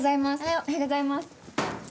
おはようございます。